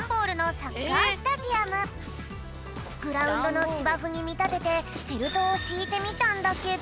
グラウンドのしばふにみたててフェルトをしいてみたんだけど。